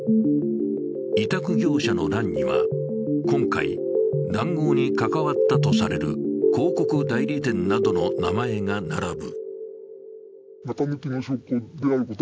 委託業者の欄には今回談合に関わったとされる広告代理店などの名前が並ぶ。